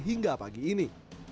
hingga pada hari ini